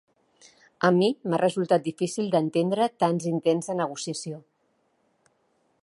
A mi m’ha resultat difícil d’entendre tants intents de negociació.